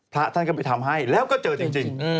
พระท่านก็ไปทำให้แล้วก็เจอจริง